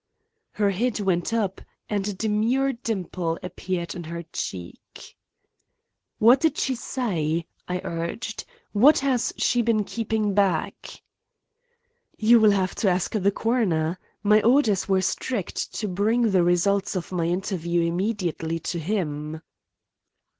Her head went up and a demure dimple appeared in her cheek. "What did she say?" I urged. "What has she been keeping back?" "You will have to ask the coroner. My orders were strict to bring the results of my interview immediately to him."